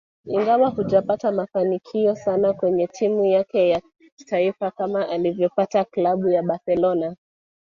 Ingawa hajapata mafanikio sana kwenye timu yake ya taifa kama alivyopata Klabu ya Barcelona